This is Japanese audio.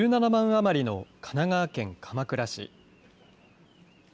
余りの神奈川県鎌倉市。